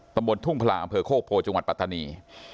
ตำบลทุ่งพลาอำเภอโคกโพจังหวัดปัตตานี